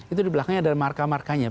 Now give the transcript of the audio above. itu di belakangnya ada marka markanya